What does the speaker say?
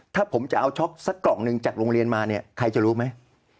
ถ้าผมจะเอาช็อกสักกล่องหนึ่งจากโรงเรียนมาเนี่ยใครจะรู้ไหม